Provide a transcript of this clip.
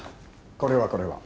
これはこれは。